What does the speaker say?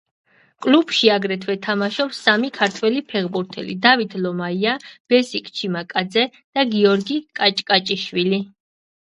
კლუბში აგრეთვე თამაშობს სამი ქართველი ფეხბურთელი: დავით ლომაია, ბესიკ ჩიმაკაძე და გიორგი კაჭკაჭიშვილი.